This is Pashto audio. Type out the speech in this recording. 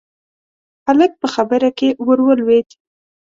هلک په خبره کې ورولوېد: